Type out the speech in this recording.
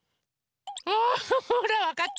ほらわかった？